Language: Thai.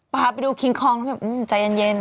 พาไปดูคิงคองอืมใจเย็น